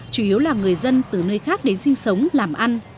chủ yếu là người dân từ nơi khác đến sinh sống làm ăn